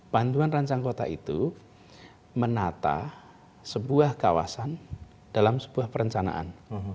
bantuan rancang kota itu menata sebuah kawasan dalam sebuah perencanaan